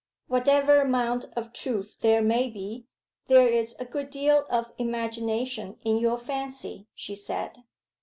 'Whatever amount of truth there may be, there is a good deal of imagination in your fancy,' she said.